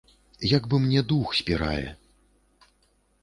Як бы мне дух спірае.